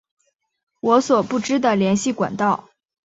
我所不知的联系管道